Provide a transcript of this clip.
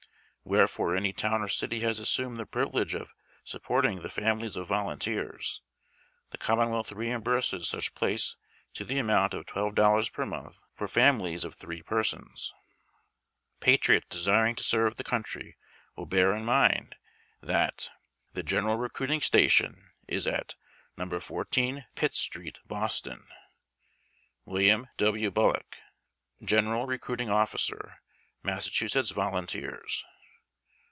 Wherever any town or city has assumed the privilege of support ing the families of Volunteers, the Commonwealth reimburses such place to the amount of §12 per month for families of three persons. Patriots desiring to serve the country will bear in mind that THE GENERAL RECRUITING STATION TS AT No. 14 FITXS STREET, BOSTON ! WILLIAM W. BULLOCK, General Recruiting Officer, Massachusetts Volunteers.